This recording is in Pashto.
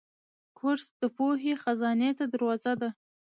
کورس د پوهې خزانې ته دروازه ده.